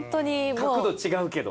角度違うけど。